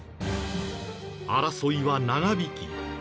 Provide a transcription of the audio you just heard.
争いは長引き